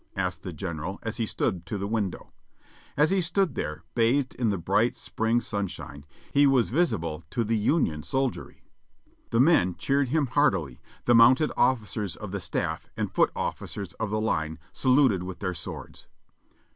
asked the General as he stepped to the window. As he stood there, bathed in the bright spring sun shine, he was visible to the Union soldiery. The men cheered THE CURTAIN FALLS 709 him heartily, and mounted officers of the staff and foot officers of the Hne saluted with their swords.